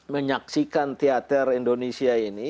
menyaksikan teater indonesia ini